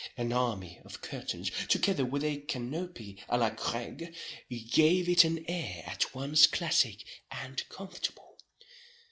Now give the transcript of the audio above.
An army of curtains, together with a canopy à la Grècque, gave it an air at once classic and comfortable.